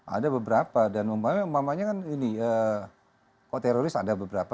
ada beberapa dan umpamanya kan ini kok teroris ada beberapa